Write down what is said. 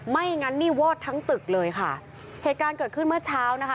ไม่งั้นนี่วอดทั้งตึกเลยค่ะเหตุการณ์เกิดขึ้นเมื่อเช้านะคะ